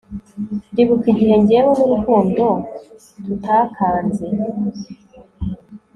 ndibuka igihe njyewe nurukundo tutakanze